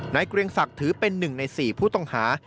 นายเกรงศักดิ์ถือเป็นหนึ่งใน๔ผู้ต้องหา